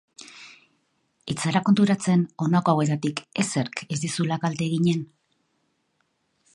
Ez zara konturatzen honako hauetatik ezerk ez dizula kalte eginen?